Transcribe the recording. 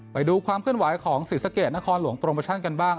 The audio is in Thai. ไปดูความเคลื่อนไหวของศรีสะเกดนครหลวงโปรโมชั่นกันบ้าง